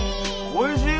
おいしい！